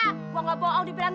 gue gak bohong di belakang